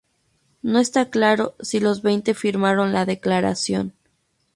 No está claro si los veinte firmaron la declaración.